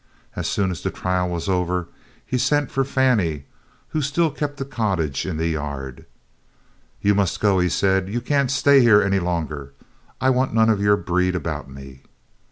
As soon as the trial was over, he sent for Fannie, who still kept the cottage in the yard. "You must go," he said. "You can't stay here any longer. I want none of your breed about me."